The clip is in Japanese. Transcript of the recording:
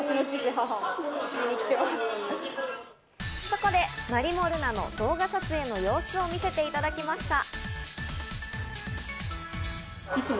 そこで、まりもるなの動画撮影の様子を見せていただきました。